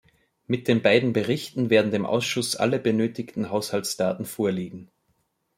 Mit den beiden Berichten werden dem Ausschuss alle benötigten Haushaltsdaten vorliegen.